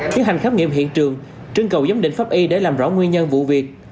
tiến hành khám nghiệm hiện trường trưng cầu giám định pháp y để làm rõ nguyên nhân vụ việc